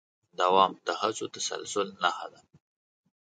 دوام د هڅو د تسلسل نښه ده.